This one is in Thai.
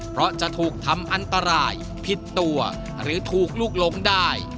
เพราะจะถูกทำอันตรายผิดตัวหรือถูกลุกหลงได้